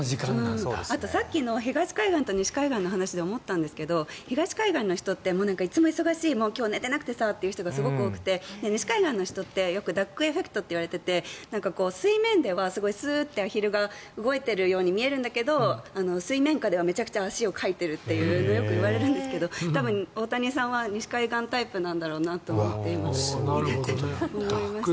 あとさっきの東海岸と西海岸の話で思ったんですけど東海岸の人っていつも忙しい今日寝てなくてさという人がすごく多くて、西海岸の人ってよくダック・エフェクトといわれてて水面では、スーってアヒルが動いているように見えるんだけど水面下ではめちゃくちゃ足をかいてるってよく言われるんですけど多分、大谷さんは西海岸タイプだろうなと思って見てて思いました。